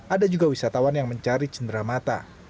ada juga wisatawan yang mencari cenderamata